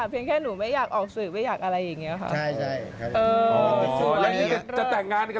เพียงแค่หนูไม่อยากออกสื่อไม่อยากอะไรอย่างนี้ค่ะ